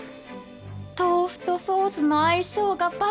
豆腐とソースの相性が抜群！